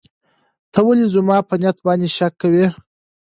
ته ولې زما په نیت باندې شک کوې؟